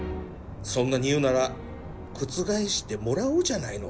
そんなに言うなら覆してもらおうじゃないの